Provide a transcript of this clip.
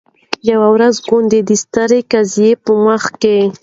یوه ورځ ګوندي د ستر قاضي په مخ کي